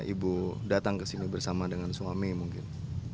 ibu datang ke sini bersama dengan suami mungkin